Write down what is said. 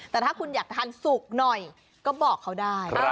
แต่ถ้าคุณอยากทานสุกหน่อยก็บอกเขาได้